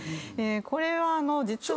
これは実は。